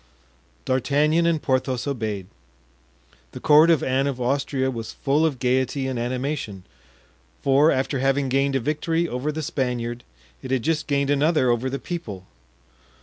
D'Artagnan and Porthos obeyed. The court of Anne of Austria was full of gayety and animation; for, after having gained a victory over the Spaniard, it had just gained another over the people.